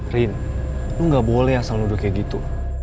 rin lo gak boleh asal nuduh kayak gitu